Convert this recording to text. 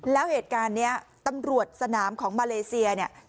แล้วเหตุการณ์นี้ตำรวจสนามของมาเลเซียเนี่ย